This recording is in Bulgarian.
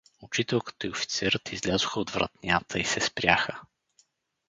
Учителката и офицерът излязоха от вратнята и се спряха.